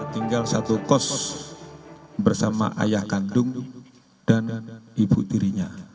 tinggal satu kos bersama ayah kandung dan ibu tirinya